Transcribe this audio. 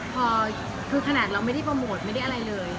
พอคือขนาดเราไม่ได้โปรโมทไม่ได้อะไรเลย